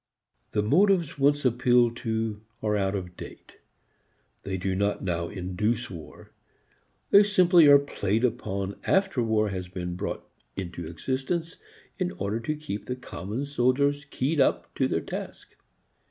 The motives once appealed to are out of date; they do not now induce war. They simply are played upon after war has been brought into existence in order to keep the common soldiers keyed up to their task.